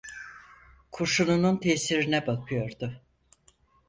Kurşununun tesirine bakıyordu.